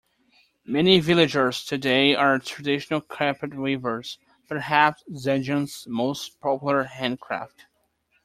Many villagers today are traditional carpet weavers, perhaps Zanjan's most popular handcraft.